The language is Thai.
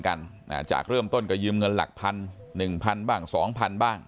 กันจากเริ่มต้นก็ยืมเงินหลักพันหนึ่งพันบ้างสองพันบ้าง